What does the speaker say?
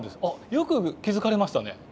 あよく気付かれましたね。